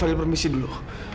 fahil permisi dulu